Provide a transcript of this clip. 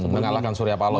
mengalahkan surya paloh